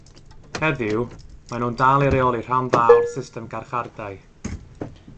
Heddiw, maen nhw'n dal i reoli rhan dda o'r system garchardai.